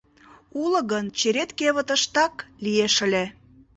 — Уло гын, черет кевытыштак лиеш ыле.